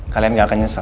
kalian gak akan nyesel